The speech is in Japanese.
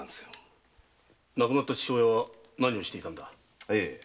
亡くなった父親は何をしていたんだ？